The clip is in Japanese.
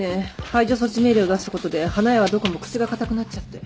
排除措置命令を出したことで花屋はどこも口が堅くなっちゃって。